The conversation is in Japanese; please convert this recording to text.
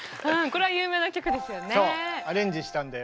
これは有名な曲ですよね。